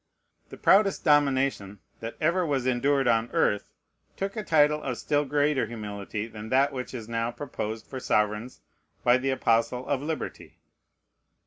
The proudest domination that ever was endured on earth took a title of still greater humility than that which is now proposed for sovereigns by the Apostle of Liberty.